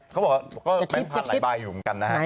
เขาบอกก็เป็นพันหลายบาทอยู่เหมือนกันนะฮะ